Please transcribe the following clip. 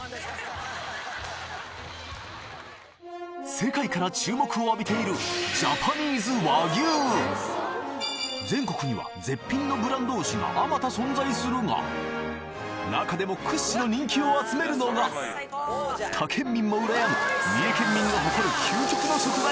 世界から注目を浴びているジャパニーズ全国には絶品のブランド牛が数多存在するが中でも屈指の人気を集めるのが他県民もうらやむ三重県民が誇る究極の食材。